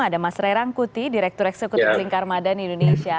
ada mas ray rangkuti direktur eksekutif singkarmada indonesia